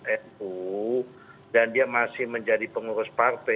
deviasi menjadi pengurus dan dia masih jadi pengurus pake